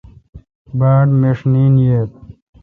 باڑ مݭ نیند ییل۔